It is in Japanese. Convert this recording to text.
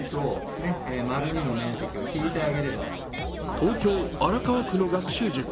東京・荒川区の学習塾。